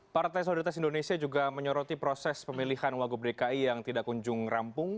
partai solidaritas indonesia juga menyoroti proses pemilihan wagub dki yang tidak kunjung rampung